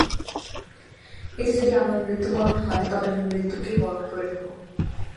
এতে যদি আমার মৃত্যু হয়, তবে আমি মৃত্যুকেই বরণ করে নেব।